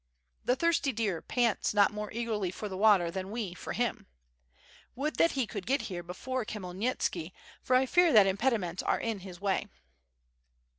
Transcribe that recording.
The thirsty deer pants not more eagerly for the water than w^e for him. Would that he could get here before Khmyel nitski for I fear that impediments are in his way."